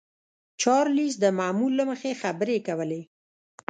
چارليس د معمول له مخې خبرې کولې.